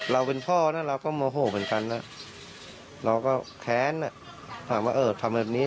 เราเป็นพ่อนะเราก็โมโหเหมือนกันนะเราก็แค้นถามว่าเออทำแบบนี้